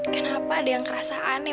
siapa yang tadi yang menangis